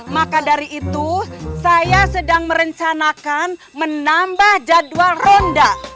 maka dari itu saya sedang merencanakan menambah jadwal ronda